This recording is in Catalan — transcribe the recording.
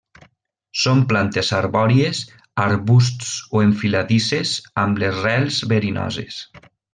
Són plantes arbòries, arbusts o enfiladisses amb les rels verinoses.